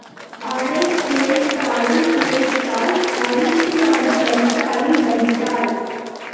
அரை குழைத்தாலும் குழைத்தாள் அரிசியாக வைத்தாலும் வைத்தாள்.